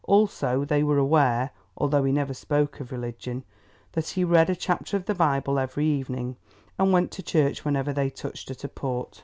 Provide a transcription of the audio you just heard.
Also, they were aware, although he never spoke of religion, that he read a chapter of the Bible every evening, and went to church whenever they touched at a port.